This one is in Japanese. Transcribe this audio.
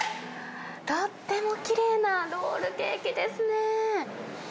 とってもきれいなロールケーキですね。